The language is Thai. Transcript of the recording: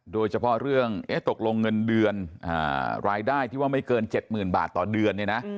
โดยเฉพาะเรื่องตกลงเงินเดือนรายได้ที่ว่าไม่เกิน๗๐๐๐บาทต่อเดือนเนี่ยนะ